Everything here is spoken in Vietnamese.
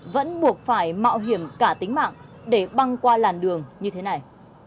vẫn buộc phải mạo hiểm cả tính mạng để băng qua làn đường như thế này